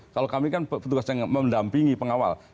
kalau kami kan petugas yang mendampingi pengawal